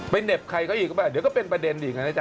ไปเหน็บใครเขาอีกป่ะเนี่ยเดี๋ยวก็เป็นประเด็นดีกว่านะจ๊ะ